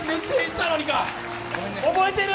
覚えてる？